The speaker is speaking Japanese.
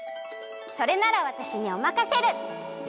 それならわたしにおまかシェル！